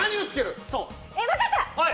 分かった！